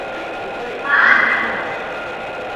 মা দিবস